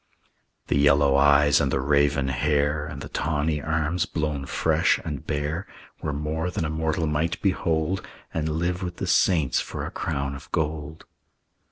The yellow eyes and the raven hair And the tawny arms blown fresh and bare, Were more than a mortal might behold And live with the saints for a crown of gold.